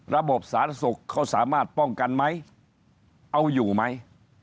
ระบบสาธารณสุขเขาสามารถป้องกันไหมเอาอยู่ไหม